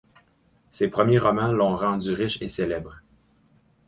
Ses premiers romans l'ont rendue riche et célèbre.